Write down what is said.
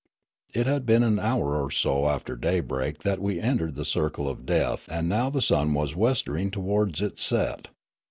It had been an honr or so after daybreak that we entered the circle of death and now the sun was wester ing towards its set.